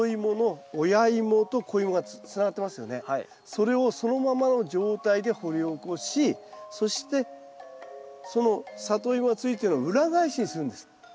それをそのままの状態で掘り起こしそしてそのサトイモがついてるのを裏返しにするんです。